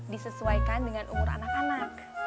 disesuaikan dengan umur anak anak